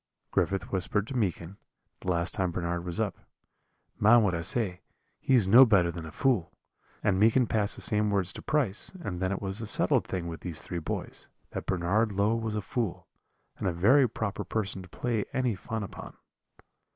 "Griffith whispered to Meekin, the last time Bernard was up, 'Mind what I say, he is no better than a fool;' and Meekin passed the same words to Price, and then it was a settled thing with these three boys, that Bernard Low was a fool, and a very proper person to play any fun upon.